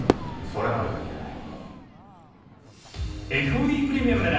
それまでは言えない。